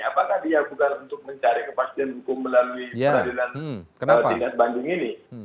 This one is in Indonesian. apakah dia bukan untuk mencari kepastian hukum melalui peradilan tingkat bandung ini